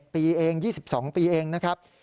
ปีเอง๒๒ปีเองนะครับ